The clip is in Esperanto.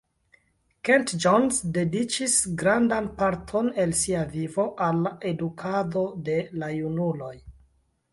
Kent Jones dediĉis grandan parton el sia vivo al edukado de la junuloj.